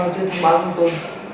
chưa thông báo chúng tôi